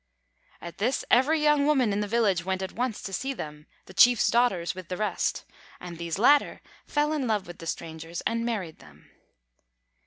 At this, every young woman in the village went at once to see them, the chief's daughters with the rest; and these latter fell in love with the strangers and married them.